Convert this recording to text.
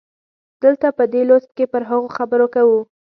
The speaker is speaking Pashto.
دلته په دې لوست کې پر هغو خبرې کوو.